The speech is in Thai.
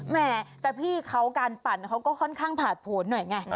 แม่แต่พี่เขาการปั่นเขาก็ค่อนข้างผ่านผลหน่อยไง